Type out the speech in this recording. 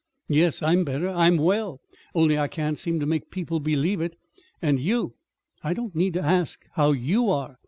"Yes, I'm better. I'm well only I can't seem to make people believe it. And you I don't need to ask how you are.